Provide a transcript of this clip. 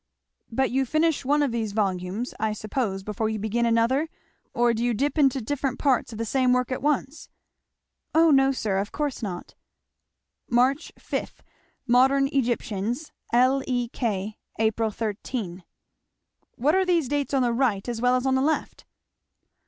"But you finish one of these volumes, I suppose, before you begin another; or do you dip into different parts of the same work at once?" "O no, sir; of course not!" 'Mar. 5. Modern Egyptians. L. E. K. Ap. 13.' "What are these dates on the right as well as on the left?"